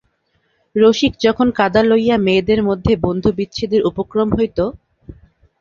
রসিক যখন কাদা লইয়া মেয়েদের মধ্যে বন্ধুবিচ্ছেদের উপক্রম হইত।